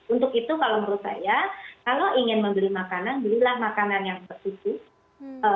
untuk itu kalau menurut saya kalau ingin membeli makanan belilah makanan yang tertutup